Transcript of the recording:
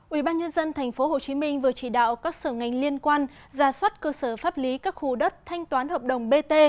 ubnd tp hcm vừa chỉ đạo các sở ngành liên quan ra soát cơ sở pháp lý các khu đất thanh toán hợp đồng bt